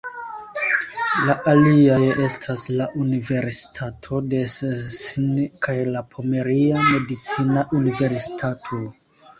La aliaj estas la Universitato de Szczecin kaj la Pomeria Medicina Universitato.